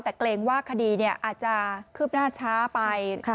แต่เกรงว่าคดีเนี่ยอาจจะขึ้บหน้าช้าไป